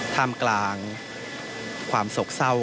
ท่ามกลางความโศกเศร้า